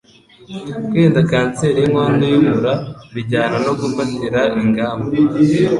Kwirinda kanseri y'inkondo y'umura bijyana no gufatira ingamba